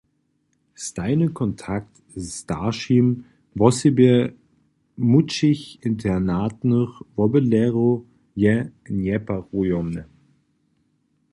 Stajny kontakt k staršim wosebje młódšich internatnych wobydlerjow je njeparujomny.